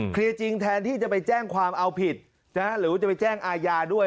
จริงแทนที่จะไปแจ้งความเอาผิดหรือว่าจะไปแจ้งอาญาด้วย